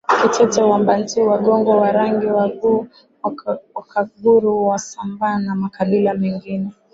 Kiteto Wabantu Wagogo Warangi Wanguu Wakaguru Wasambaa na makabila mengine